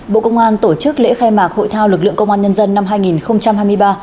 bộ công an tổ chức lễ khai mạc hội thao lực lượng công an nhân dân năm hai nghìn hai mươi ba